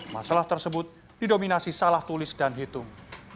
masalah tersebut didominasi salah tulis dan hitung